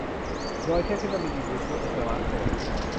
โดยใช้เทคโนโลยีบลูธูทในสมาร์ทโฟน